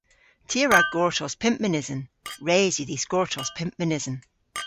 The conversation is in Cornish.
Ty a wra gortos pymp mynysen. Res yw dhis gortos pymp mynysen.